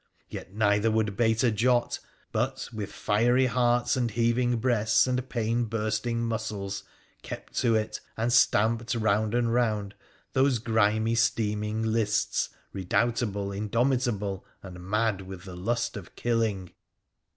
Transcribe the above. Yet neither would bate a jot, but, with fiery hearts and heav ing breasts and pain bursting muscles, kept to it, and stamped round and round those grimy, steaming lists, redoubtable, indomitable, and mad with the lust of killing.